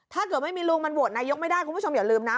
ถ้าเกิดไม่มีลุงมันโหวตนายกไม่ได้คุณผู้ชมอย่าลืมนะ